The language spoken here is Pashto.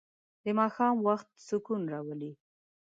د ماښام وخت سکون راولي.